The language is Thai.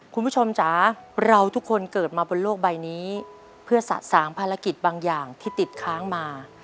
คุณผู้ชมจ๋าเราทุกคนเกิดมาบนโลกใบนี้เพื่อสะสางภารกิจบางอย่างที่ติดค้างมา